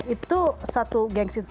itu satu gengsi